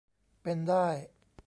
เป็นได้